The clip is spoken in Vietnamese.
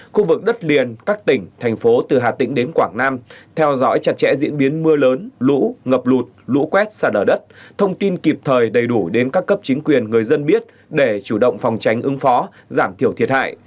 khu vực đất liền các tỉnh thành phố từ hà tĩnh đến quảng nam theo dõi chặt chẽ diễn biến mưa lớn lũ ngập lụt lũ quét xa đở đất thông tin kịp thời đầy đủ đến các cấp chính quyền người dân biết để chủ động phòng tránh ứng phó giảm thiểu thiệt hại